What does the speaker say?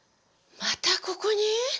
またここに！？